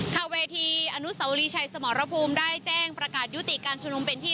ค่ะเวทีอนุสาวรีชัยสมรภูมิได้แจ้งประกาศยุติการชุมนุมเป็นที่